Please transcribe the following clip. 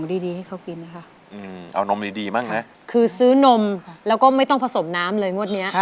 ดีดีให้เขากินนะคะเอานมดีดีบ้างนะคือซื้อนมแล้วก็ไม่ต้องผสมน้ำเลยงวดเนี้ย